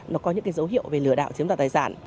nó có những cái dấu hiệu về lừa đảo chiếm đoạt tài sản